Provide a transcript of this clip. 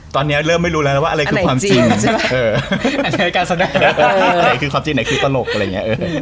ตอนนี้เริ่มไม่รู้แล้วว่าอะไรคือความจริง